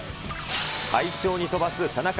快調に飛ばす田中。